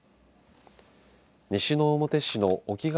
西之表市の沖ヶ